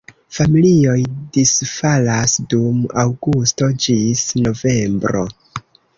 Familioj disfalas dum aŭgusto ĝis novembro.